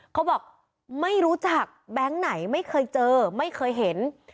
เขาบอกไม่รู้จักแบงค์ไหนไม่เคยเจอไม่เคยเห็น